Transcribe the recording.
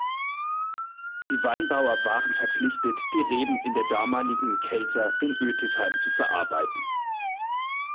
Die Weinbauer waren verpflichtet die Reben in der damaligen Kelter in Ötisheim zu verarbeiten.